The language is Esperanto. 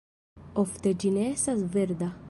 Ofte ĝi ne estas verda.